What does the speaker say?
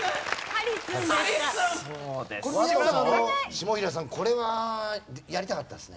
下平さんこれはやりたかったですね。